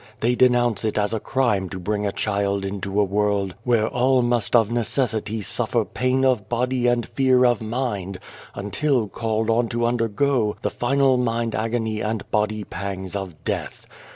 They denounce it as a crime to bring a child into a world where all must of necessity surfer pain of body and fear of mind, until called on to undergo the final mind agony and body pangs of death.